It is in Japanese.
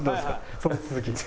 その続き。